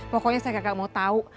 pokoknya saya gak mau tahu